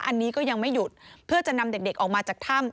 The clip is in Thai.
อันนี้ก็ยังไม่หยุดเพื่อจะนำเด็กออกมาจากถ้ำ